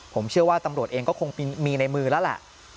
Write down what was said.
ผมเชื่อว่าตำรวจเองก็คงมีในมือแล้วแหละ